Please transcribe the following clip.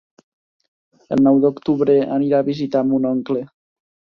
El nou d'octubre anirà a visitar mon oncle.